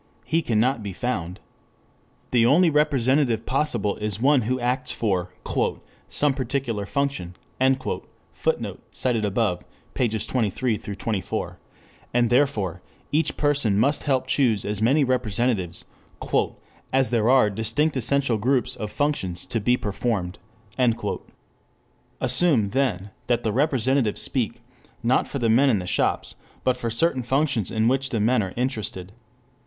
He cannot be found. The only representative possible is one who acts for "some particular function," [Footnote: Op. cit., pp. 23 24.] and therefore each person must help choose as many representatives "as there are distinct essential groups of functions to be performed." Assume then that the representatives speak, not for the men in the shops, but for certain functions in which the men are interested.